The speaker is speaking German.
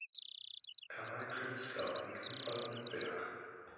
Er war ein Künstler mit umfassendem Werk.